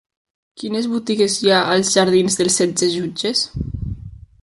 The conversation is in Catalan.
Quines botigues hi ha als jardins d'Els Setze Jutges?